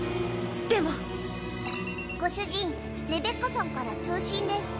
でも！ご主人レベッカさんから通信です。